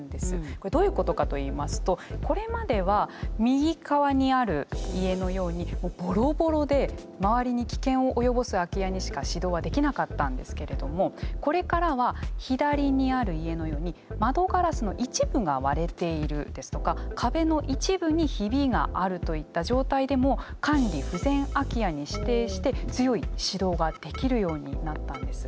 これどういうことかといいますとこれまでは右側にある家のようにボロボロで周りに危険を及ぼす空き家にしか指導はできなかったんですけれどもこれからは左にある家のように窓ガラスの一部が割れているですとか壁の一部にヒビがあるといった状態でも管理不全空き家に指定して強い指導ができるようになったんです。